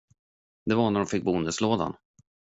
Det var när de fick bonuslådan.